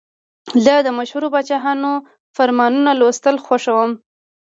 زه د مشهورو پاچاهانو فرمانونه لوستل خوښوم.